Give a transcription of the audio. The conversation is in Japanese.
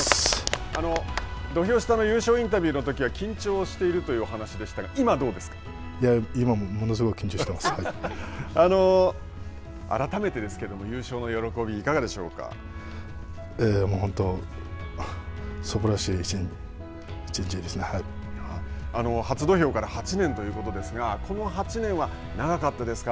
土俵下の優勝インタビューのときは緊張しているというお話でしたがいや、今もものすごく緊張して改めてですけども本当、すばらしい１日ですね、初土俵から８年ということですがこの８年は長かったですか。